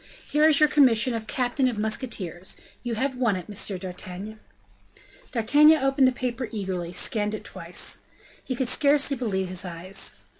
"Here is your commission of captain of musketeers; you have won it, Monsieur d'Artagnan." D'Artagnan opened the paper eagerly, and scanned it twice. He could scarcely believe his eyes.